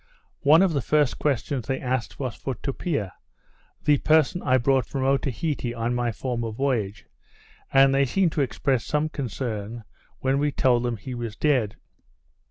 One of the first questions they asked was for Tupia, the person I brought from Otaheite on my former voyage; and they seemed to express some concern when we told them he was dead.